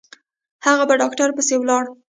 هغه په ډاکتر پسې ولاړه.